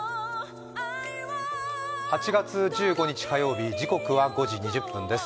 ８月１５日火曜日時刻は５時２０分です。